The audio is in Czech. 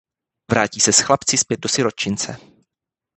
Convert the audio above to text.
Vrátí se s chlapci tedy zpět do sirotčince.